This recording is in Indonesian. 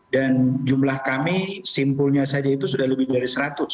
dan jumlah kami simpulnya saja itu sudah lebih dari seratus